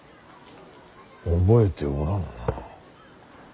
覚えておらんな。